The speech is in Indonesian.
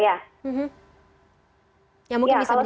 ya mungkin bisa menjadi contoh